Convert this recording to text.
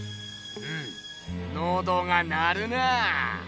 うむのどが鳴るなぁ！